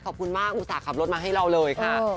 ขอบคุณมากอุตส่าห์ขับรถมาให้เราเลยค่ะ